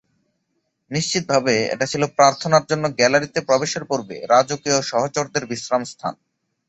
নিশ্চিতভাবে এটা ছিল প্রার্থনার জন্য গ্যালারিতে প্রবেশের পূর্বে রাজকীয় সহচরদের বিশ্রামস্থান।